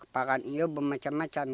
makan ini bermacam macam